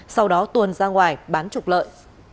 sau đó tuồn ra ngoài bán trục lợi